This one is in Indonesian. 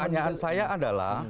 pertanyaan saya adalah